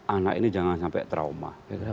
anak ini jangan sampai trauma